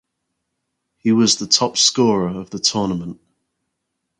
He was the top scorer of the tournament.